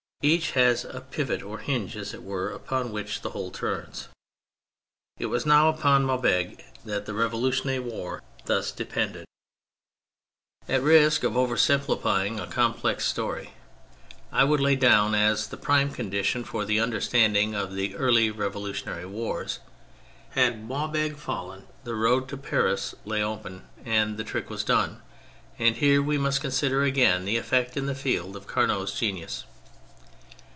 Each has a pivot or hinge, as it were, upon which the whole turns. It was now upon Maubeuge that the revolutionary war thus depended. THE MILITARY ASPECT 197 At risk of oversimplifying a complex story, I would lay this down as the prime condition for the understanding of the early revolu tionary wars : had Maubeuge fallen, the road to Paris lay open and the trick was done ^— and here we must consider again the effect in the field of Carnot's genius.